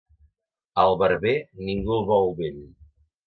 Al barber ningú el vol vell.